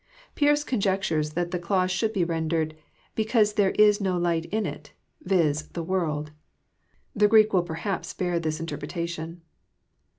Fearce oonjectares that the clanse should be rendered, Be caose there is no light in it; yiz., the world." The Greek will perhi^ bear this inteipretation.